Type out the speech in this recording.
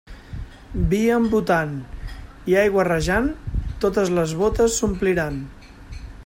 Vi embotant i aigua rajant, totes les bótes s'ompliran.